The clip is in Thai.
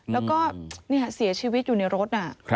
แล้วก็เสียชีวิตอยู่ในรถน่ะ